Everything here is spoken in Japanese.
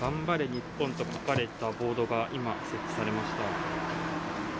日本！と書かれたボードが今、設置されました。